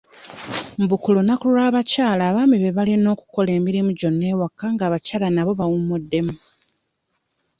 Mbu ku lunaku lw'abakyala abaami be balina okukola emirimu gyonna ewaka ng'abakyala nabo bawummuddemu.